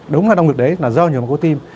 đúng là đau ngực đấy là do nhồi máu cơ tim